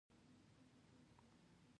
هغه نشي کولای خپل ذاتي استعدادونه وغوړوي.